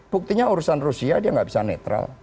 buktinya urusan rusia dia nggak bisa netral